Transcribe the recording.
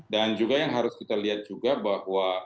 dan juga yang harus kita lihat juga bahwa